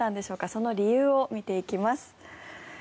その理由を見ていきます。